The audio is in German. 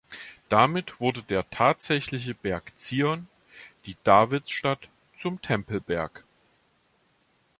Damit wurde der tatsächliche "Berg Zion", die Davidsstadt, zum Tempelberg.